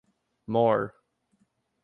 More